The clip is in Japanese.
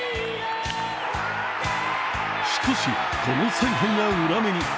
しかし、この采配が裏目に。